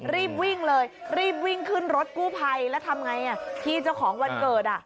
รีบวิ่งเลยรีบวิ่งขึ้นรถกู้ภัยแล้วทำไงพี่เจ้าของวันเกิดอ่ะ